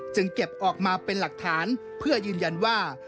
เก็บออกมาเป็นหลักฐานเพื่อยืนยันว่า